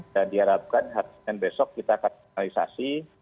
dan diharapkan besok kita akan analisasi